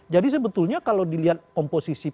jadi sebetulnya kalau dilihat komposisi